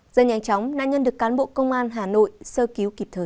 rất nhanh chóng nạn nhân được cán bộ công an hà nội sơ cứu kịp thời